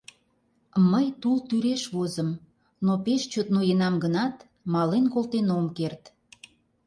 Мый тул тӱреш возым, но пеш чот ноенам гынат, мален колтен ом керт.